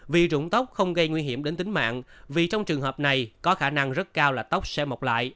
vì rụng tóc không gây nguy hiểm đến tính mạng vì trong trường hợp này có khả năng rất cao là tóc sẽ mọc lại